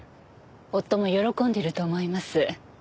夫も喜んでいると思います。